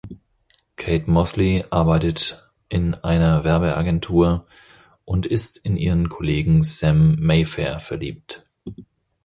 Kate Mosley arbeitet in einer Werbeagentur und ist in ihren Kollegen Sam Mayfair verliebt.